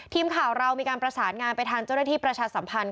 ทีมข่าวเรามีการประสานงานไปทางเจ้าหน้าที่ประชาสัมพันธ์